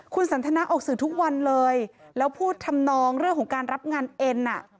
คุณสันทนาออกสื่อทุกวันเลยแล้วพูดทำนองเรื่องของการรับงานเอ็นอ่ะ